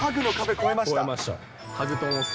越えました。